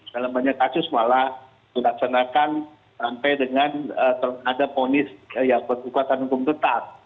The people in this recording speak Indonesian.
dalam banyak kasus malah tidak ternakan sampai dengan terhadap polis yang berkuasa hukum tetap